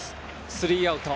スリーアウト。